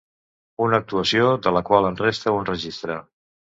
Una actuació de la qual en resta un registre.